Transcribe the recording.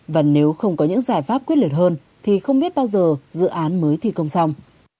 và nếu không có những giải pháp quyết liệt hơn thì không biết bao giờ dự án mới thi công xong